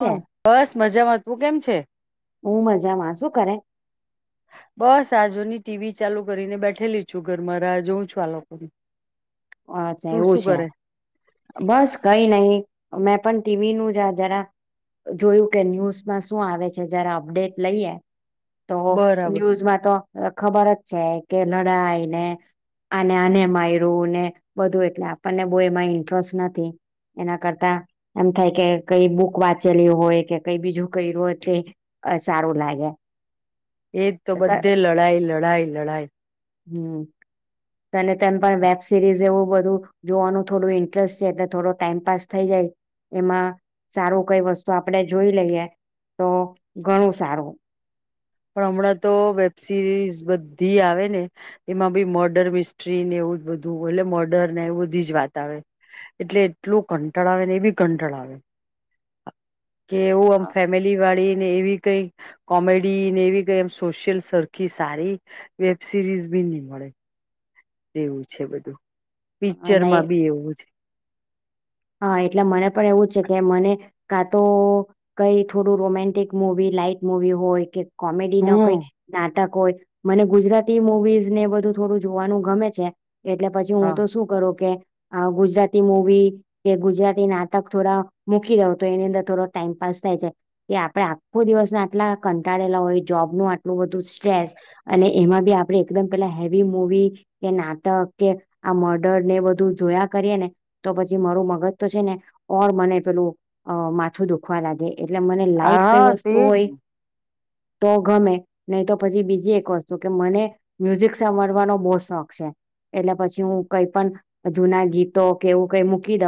છે બસ. મજામાંવું કેમ છે. હું મજામાં શું કરે. બસ આજોની ટીવી ચાલુ કરીને બેઠેલી છું, ઘરમાંરા જોઉં છું આ લોકોને. અચ્છા એવું છે બસ કઈ નહ મેં પણ. ટીવી ન જ જરા જોયું કે ન્યૂઝમાં શું? આવે છે, જરા અપડેટ લઈએ. તો બરાબર ન્યૂઝમાં તો ખબર જ છે. કેલડા આવી ને અને આને માયરું ને. બધું એટલે આપણને બહ એમાં ઇન્ટરેસ્ટ નથી એના કરતા એમ થાય, કે કઈ બુક વાંચેલી હોય કે કઈ બીજું કર્યું હોય તે સારું લાગે. એજ તો, બધે લડાઈ લડાઈ લડાાય. હમ, ત તેમ પણ વે. સિરીઝ એવું બધું જોવાનું થોડું ઇન્ટરેસ્ટ છે એટલે થોડો ટાઈમપાસ થઈ જાય એમાં સારું કઈ, વસ્તુ આપડે જોઈ લઈએ તો ઘણું સારું. પણ, હમણાં તો વેબ સિરીઝ બધી આવે ને એમાં બી મર્ડર મિસ્ટ્રીને એવું જ બધું એટલે મર્ડર ને એું બધી જ વાત આવે એટલે એટલું કંટળ આવે ને એ બી કંટળ આવે. કે એવું આમ અ, ફેમિલી વાળી. એવી કઈ કોમેડી. ડી ને એવી ગઈ એમ સોશિયલ સરખી સારી વેબ સિરીઝ બી નહી, મળે. જેવું છે, બધું. પિક્ચર અને માં બી એવું છે. હા, એટલે મને પણ એવું છે, કે મને કા તો, કઈ થોડું, રોમેન્ટિક મુવી લાાઈટ મુવી હોય કે. કોમેડી ન કોઈ હમ્મ. ના. કોઈ, મને ગુજરાતી મુવીઝ ને બધું થોડું જોવાનું ગમે છે. એટલે પછી હું હા તો શું કરું કે. આ ગુજરાતી મૂવી. કે, ગુજરાતી નાટક થોડા મૂકી દઉ તો એની અંદર થોડો ટાઈમપાસ થાય છે. કે, આપડે આખો દિવસ આટલા કંટાળેલા હોય જોબનુંું આટલું બધું સ્ટ્રેસ અને એમાં બી આપણે એકદમ પેલા હેવી મવી કે નાટક કે આ મર્ડર ને બધું જોયા કરીએ. ને તો પછી. મારું મગજ તો છે, ને ઓર મને પેલું માથું દુખવા લાગે. એટલે મને લાઈટ કઈ હા તે વસ્તુ હોય. જ તો, ગમે નહી, તો પછી બીજી એક વસ્તુ કે મને મ્યુઝિક સાંભળવાનો બહ શોખ છે એટલે પછી હું કઈ પણ જુના ગીતો કે એવું કઈક. મૂકી દ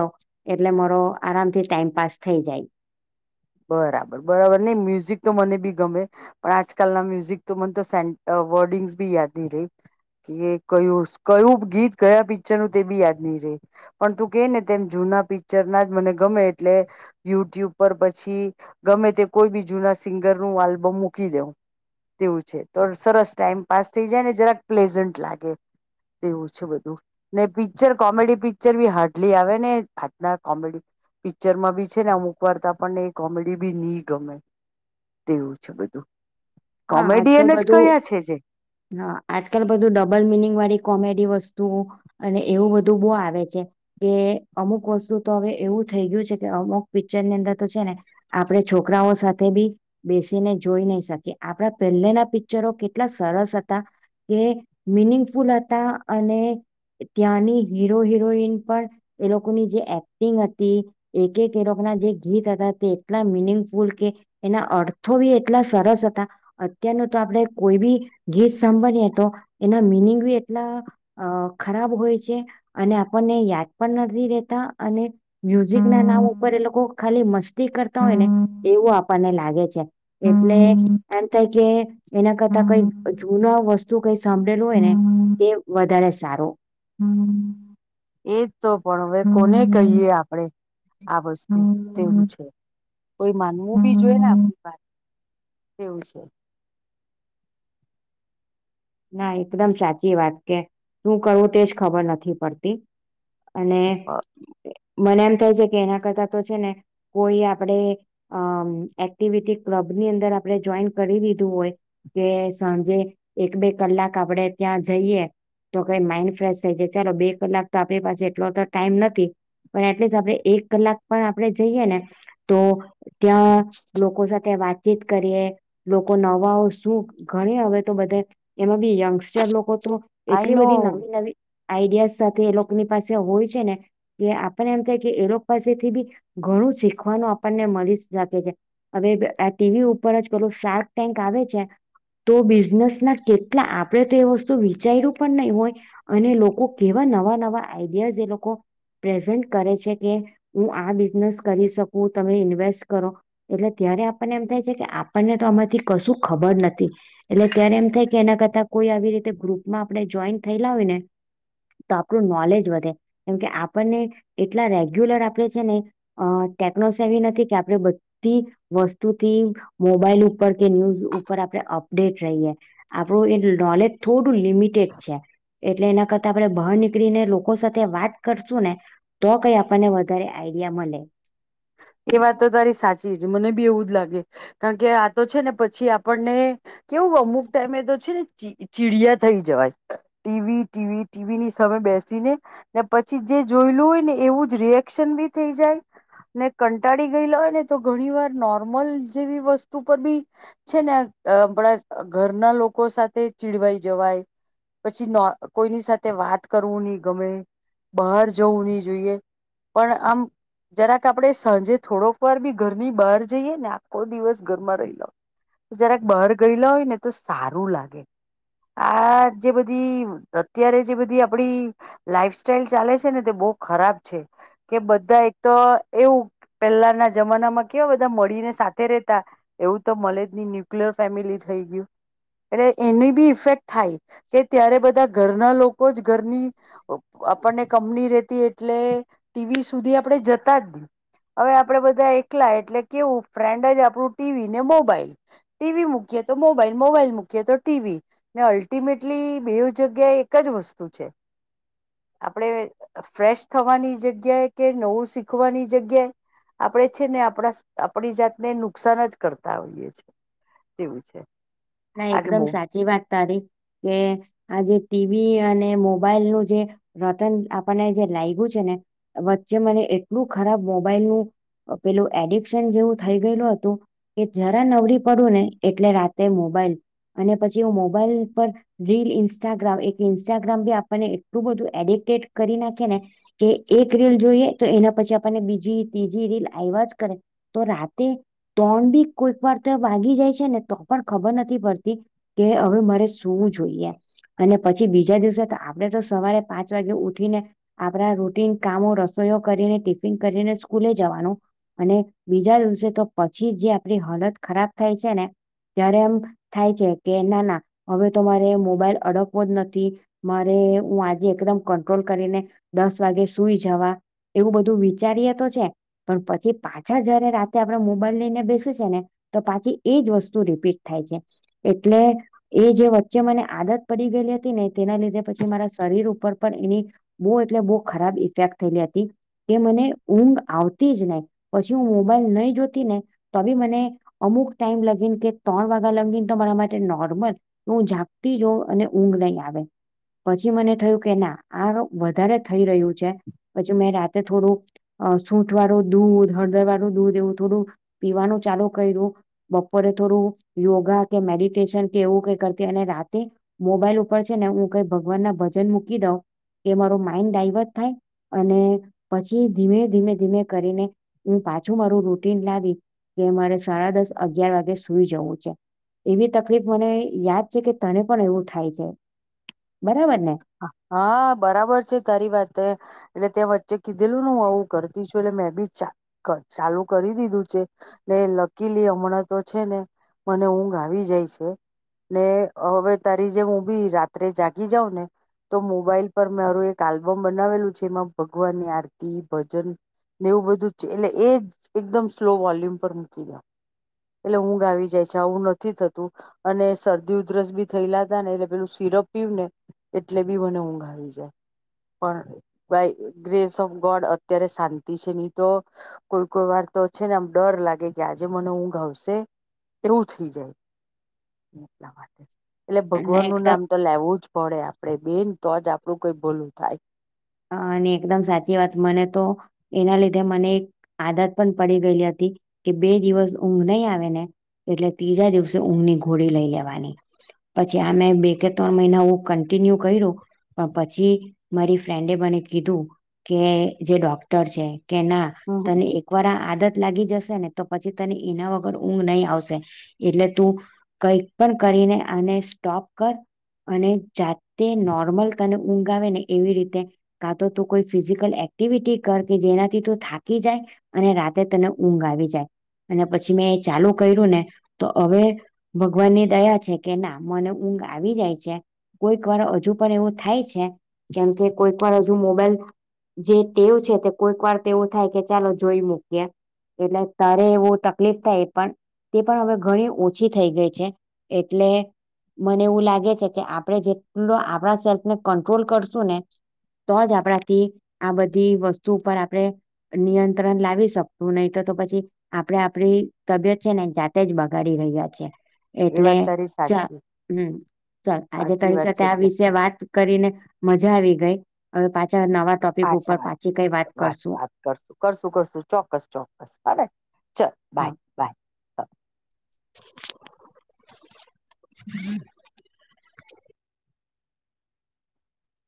એટલે મારો આરામથી ટાઈમ પાસ થઈ જાય. બરાબર બરાબર નહી મ્યુઝિક તો મને બી ગમે પણ આજકાલના મ્યુઝિક તો મને તો સે વર્ડિંગ્સ બી યાદ નહી રહી કે કયું કયું ગીત ગયા પિક્ચર નું તે બી યાદ નહી ર પણ તું કે ને તેમ જૂના પિક્ચર ના જ મને ગમે એટલે યુટ્યુબ પર પછી. પછી, ગમે તે કોઈ બી જૂના સિંગર નું આલ્બમ મૂકી દેઉ તેવું છે. તો સરસ ટાઈમ પાસ થઈ જાય ને જરાક પ્લેઝન્ટ લાગે તેવું છે બધું ને પિક્ચર કોમેડી પિક્ચર બી હાર્ડલી આવે ને આજના કોમેડી પિક્ચરમાં બી છે, ને અમુક વારતા. પણને કોમેડી બી નહી, ગમે તેવું છે બધું. હા આજકાલ કોમેડિયન જ બધું કયા છે જે હા આજકાલ બધું ડબલ મિનિંગ વાળી કોમેડી વસ્તુ વતુ અને એવું બધું બહ આવે છે કે અમુક વસ્તુ તો હવે એવું થઈ ગયું છે કે અમુક પિક્ચર ની અંદર તો છે ને આપણે છોકરાઓ સાથે બી બેસીને જોઈ નહી શકીએ. આપણા પહેલેના પિક્ચરો કેટલા સરસ હતા કે મિનિંગફુલ હતા અને ત્યાંની હીરો હિરોઈન પણ એ લોકોની જે એક્ટિંગ હતી એક એક એ લોકોના જે ગીત હતા તે એટલા મિનિંગફુલ કે એના અર્થો બી એટલા સરસ હતા. અત્યારનું તો આપણે કોઈ બી ગીત સાંભાળીએ તો એના મિનિંગ બી એટલા ખરાબ હોય છે અને આપણને યાદ પણ નથી રેતા અને. મ્યુઝિક ના નામ ઉપર એ લોકો કો ખાલી મસ્ત કરતા હોય ને એવું આપ મને લાગે છે. એટલે. આ થાય કે એના કરતા કોઈ જૂના વસ્તુ કઈ સાંભળેલું હોય ને તે વધારે સારો. એજ તો પણ હવે કોને કહીએ આપણેે આ વસ્તુ તેવું છે કોઈ માનવું બી જોઈ ને આપણી તેવું છે. ના એકદમ સાચી વાત કે તું કરું તેજ ખબર નથી પડતી. અને મને એમ થાય છે કે એના કરતા તો છે ને કોઈ આપણે અ એક્ટિવિટી ક્લબની અંદર આપણે જોઈન કરી દીધું હોય કે સાંજે એક બે કલાક આપડે ત્યાં જઈએ તો ક માઈન્ડ ફ્રેશ થઈ જાય ચાલો બે કલાક તો આપણી પાસે એટલો તો ટાઈમ નથી પણ એટલીસ્ટ આપણે એક કલાક પણ આપણે જઈએ ને તો ત્યાં લોકો સાથે વાતચીત કરીએ લોકો નવાઓ શું ઘણી હવે તો બધે એમાં બી યંગસ્ટર લોકો તો આઈ એટલી નો બધી નવી નવી આઈડિયાઝ સાથે એ લોકોની પાસે હોય છે ને એ આપને એમ થાય કે એ લોકો પાસેથી બી ઘણું શીખવાનું આપણને મળી શકે છે હવે આ ટીવી ઉપર જ પેલું શાર્ક ટેન્ક આવે છે તો બિઝનેસ ના કે એટલે આપડે તો એ વસ્તુ વિચાર્યું પણ નહીં હોય અને લોકો કેવા નવા નવા આઈડિયાઝ એ લોકો પ્રેઝન્ટ કરે છે કે હું આ બિઝનેસ કરી શકું તમે ઇન્વેસ્ટ કરો એટલે ત્યારે આપણને એમ થાય છે કે આપણને તો આમાંથી કશું ખબર નથી એટલે ત્યારે એમ થાય કે એના કરતા કોઈ આવી રીતે ગ્રુપમાં આપણે જોઈન થયેલા હોય ને તો આપણું નોલેજ વધે કેમકે આપણને એટલા રેગ્યુલર આપણે છે ને અ ટેકનો એવી નથી કે આપણે બધી વસ્તુથી મોબાઈલ ઉપર કે ન્યૂઝ ઉપર આપણે અપડેટ રહીએ આપણું એ નોલેજ થોડું લિમિટેડ છે એટલે એના કરતા આપણે બહાર નીકળીને લોકો સાથે વાત કરશું ને તો કઈ આપણને વધારે આઈડિયા મળે. એ વાત તો તારી સાચી જ મને બી એવું જ લાગે કારણ કે આ તો છે ને પછી આપણને કેવું અમુક ટાઈમે તો છે ને ચીડિયા થઈ જવાય ટીવી ટીવી ટીવીની સામે બેસીને ને પછી જે જોયેલું હોય ને એવું જ રિએક્શન બી થઈ જાય. ને કંટાળી ગયેલા હોય ને તો ઘણી વાર નોર્મલ જેવી વસ્તુ પર બી છે નેણા ઘરના લોકો સાથે ચીડવાઈ જવાય પછી કોઈની સાથે વાત કરવું નહી ગમે બહાર જવું નહી જોઈએ પણ આમ જરાક આપે સાંજે થોડોક વાર બી ઘર ની બહાર જઈએ ને આખો દિવસ ઘરમાં રહીલા હોય જરાક બહાર ગયેલા હોય ને તો સારું લાગે આ જે બધી અત્યારે જે બધી આપડી લાઈફ સાઈલ ચાલે છે ને તે બહુ ખરાબ છે કે બધા એક તો એવું પેલાના જમાનામાં કેવા બધા મળીને સાથે રહતા એવું તો મલેજની ન્યુક્લિયર ફેમિલી થઈ ગયું એટલે એની બી ઇફેક્ટ થાય કે ત્યારે બધા ઘરના લોકો કોજ ઘરની આપણને કમની રેતી એટલે ટીવી સુધી આપડણે જતા જ હી હવે આપડે બધા એકલા એટલે કેવું ફ્રેન્ડ જ આપણું ટીવી ને મોબાઈલ ટીવી મૂકીએ તો મોબાઈલ મોબાઈલ મૂકીએ તો ટીવી ને અલ્ટિમેટલી બે જગ્યાએ એક જ વસ્તુ છે આપણેે ફ્રેશ થવાની જગ્યાએ કે નવું શીખવાની જગ્યાએ આપણે છે ને આપણા આપણી જાતને નુકસાન જ કરતા હોઈએ છે એવું છે. ના આ એકદમ સાચી વાત તારી કે આજે વી અને મોબાઈલનું જે રટન આપણને જે લાગું છે ને વચ્ચે મને એટલું ખરાબ મોબાઈલ નું પેલું એડિક્શન જેવું થઈ ગયેલું હતું કે જરા નબળી પડું ને એટલે રાતે મો બલ અને પછી હું મોબાઈલ પર રીલ ઇન્સ્ટાગ્રામ એક ઇન્સ્ટાગ્રામ બી આપણને એટલું બધું એડિક્ટેડ કરી નાખે ને કે એક રીલ જોઈએ તો એના પછી આપણને બીજી ત્રીજી રીલ આવ્યા જ કરે તો રાતે ત્રણ બી કોઈક વાર તો વાગી જાય છે ને તો પણ ખબર નથી કે હવે મારે સુવું જોઈએ અને પછી બીજા દિવસે આપણેે તો સવારે પાંચ વાગે ઉઠીને આપણા રૂટીન કામો રસોઈયો કરીને ટિફિન કરીને સ્કૂલે જવાનું અને બીજા દિવસે તો પછી જે આપડી હાલત ખરાબ થાય છે ને ત્યારે એમ થાય છે કે ના ના હવે તો મારે મોબાઈલ અડકવો જ નથી મારે હું આજે એકદમ કંટ્રોલ કરીને દસ વાગે સુઈ જવા એવું બધું વિચારીએ તો છે પણ પછી પાછા જયારે રાતે આપણે મોબાઈલ લઈને બેસે છે ને તો પાછી એજ વસ્તુ રિપીટ થાય છે. એટલે એ જે વચ્ચે મને આદત પડી ગયેલી હતી ને તેના લીધે પછી મારા શરીર ઉપર પણ એની બહુ એટલે બહુ ખરાબ ઇફેક્ટ થયેલી હતી કે મને ઊંઘ આવતી જ ને પછી હું મોબાઈલ નહી જોતી ને તો બી મને અમુક ટાઈમ લગીને કે ત્રણ વાગ્યા લગીને તમારા માટે નોર્મલ હું ઝાંપતી જોઉ અને ઊંઘ નહીં આવે પછી મને થયું કે ના આ વધારે થઈ રહ્યું છે પછી મેં રાતે થોડું અ સૂઠ વાળું દૂધ, હળદર વાળું દૂધ એવું થોડું પીવાનું ચાલુ કર્યું. બપોરે થોડું યોગા કે મેડિટેશન કે એવું કઈ કરતી. અને રાતે મોબાઈલ ઉપર છે ને, હું કઈ ભગવાન ના ભજન મૂકી દઉં, કે મારો માઈન્ડ ડાઈવર્ટ થાય, અને પછી ધીમે ધીમે ધીમે કરીને હું પાછું મારું રૂટીન લાવી કે, મારે સાડા દસ અગિયાર વાગે સુઈ જવું છે. એવી તકલીફ મને યાદ છે કે, તને પણ એવું થાય છે. બટ હા બરાબર છે, તારી વાત એટલે તે વ જે કીધેલું ને આવું કરતી છું. એટલે મેં બી ચ ચાલુ કરી દીધું છે ને, લકીલી હમણાં તો છે ને મને ઊઘ આવી જાય છે. ને હવે તારી જેમ હું બી રાત્રે જાગી જાઉં ને? તો મોબાઈલ પર મારું એક આલ્બમ બનાવેલું છે. એમાં ભગવાનની આરતી, ભજન ને એવું બધું છે. એટલે એ જ એકદમ સ્લો વોલ્યુમ પર મૂકી દઉ. એટલે ઊંઘ આવી જાય છે. આવું નથી થતું અને શરદી ઉધરસ બી થયલાતા ને એટલે પેલું સિરપ પીવ ને એટલે બી મને ઊંઘ આવી જાય. પણ બાય ગ્રેસ ઓફ ગોડ અત્યારે શાંતિ છે. ની તો કોઈ કોઈ વાર તો છે ને, આમ ડર લાગે કે આજે મને ઊંઘ આવ શે? તેવું થઈ જાય. [inaudible] એટલે ના ભગવાન નું એકદમ નામ તો લેવું જ પડે આપ તે બેન તો જ આપડું કોઈ ભોલું થાય. હંઅઅ અને એકદમ સાચી વાત. મને તો એના લીધે મને એક આદત પણ પડી ગયેલી હતી. કે બે દિવસ ઊંઘ નહી આવેને એટલે, ત્રીજા દિવસે ઊંઘની ગોડી લઈ લેવાની. પછી આ મે બે કે ત્રણ મહિના હું કન્ટિન્યુ કર્યું પણ, પછી મારી ફ્રેન્ડે મને કીધું કે, જે ડોક્ટર છે કે ના, હમ તને એકવાર આ આદત લાગી જશે [inaudible] તો પછી તને એના વગર ઊંઘ નહીં આવશે, એટલે તું કઈ પણ કરીને આને સ્ટોપ કર. અને જાતે નોર્મલ તને ઊંઘ આવે ને એવી રીતે કા તો તું કોઈ ફિઝિકલ એક્ટિવિટી કર કે, જેનાથી તું થાકી જાય. અને રાતે તને ઊંઘ આવી જાય. અને પછી મેં એ ચાલુ કર્યું ને તો હવે, ભગવાનની દયા છે કે, ના મને ઊંઘ આવી જાય છે. કોઈક વાર હજુ પણ એવું થાય છે કેમ કે કોઈક વાર હજુ મોબાઈલ જે ટેવ છે તે, કોઈક વાર તેવું થાય, કે ચાલો જોઈ મૂકીએ એટલે તારે એવું તકલીફ થાય એ પણ તે પણ હવે ઘણી ઓછી થઈ ગઈ છે. એટલે મને એવું લાગે છે કે, આપણે જેટલો આપણા સેલ્ફને કંટ્રોલ કરશું ને તો જ આપણાથી આ બધી વસ્તુ ઉપર આપણે નિયંત્રણ લાવી શકશું. નહી તો, તો પછી આપડે આપ તબિયત છે ને જાતે જ બગાડી રહ્યા છે. એ એટલે વાત તારી ચ સાચી હમ ચાલ આજે સાચી તરી વાત સાથે છે આ છે વિષ વાત કરીને મજા આવી ગઈ. હવે પાછું પાછા વાત વાત કરશું વાત કરશું કરશું કરશું. ચોક્કસ, ચોક્કસ બરા ચાલ બાય બાય. [unintelligible] હમ [inaudible]